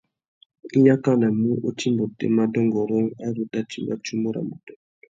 I yakanamú u timba otémá dôngôrông ari u tà timba tsumu râ mutu.